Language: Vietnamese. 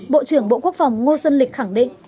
bộ trưởng bộ quốc phòng ngô xuân lịch khẳng định